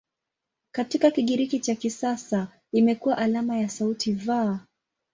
Katika Kigiriki cha kisasa imekuwa alama ya sauti "V".